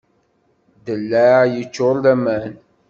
Ddellaɛ yeččur d aman.